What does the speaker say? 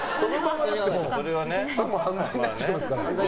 犯罪になっちゃいますから。